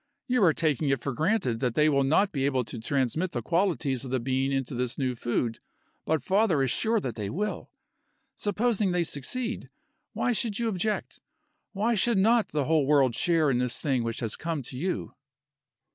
You are taking it for granted that they will not be able to transmit the qualities of the bean into this new food, but father is sure that they will. Supposing they succeed, why should you object? Why should not the whole world share in this thing which has come to you?"